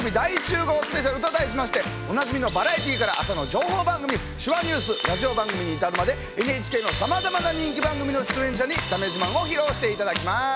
スペシャルと題しましておなじみのバラエティーから朝の情報番組手話ニュースラジオ番組に至るまでＮＨＫのさまざまな人気番組の出演者にだめ自慢を披露していただきます。